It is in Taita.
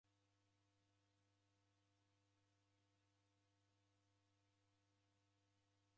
Kila misarigho imu yadima kuw'uya kazi ya kilolia.